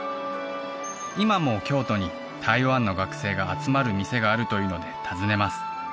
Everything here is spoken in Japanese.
今も京都に台湾の学生が集まる店があるというので訪ねます